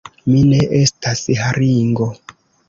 Mi ne estas haringo!